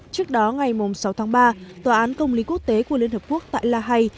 trước đó ngày sáu tháng ba tòa án công lý quốc tế của liên hợp quốc tại la hay